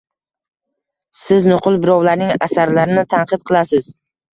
Siz nuqul birovlarning asarlarini tanqid qilasiz.